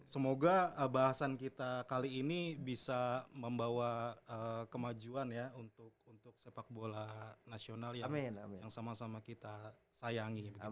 semoga bahasan kita kali ini bisa membawa kemajuan ya untuk sepak bola nasional yang sama sama kita sayangi